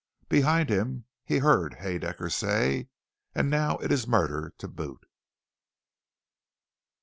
Behind him, he heard Haedaecker say, "And now it is murder, to boot!"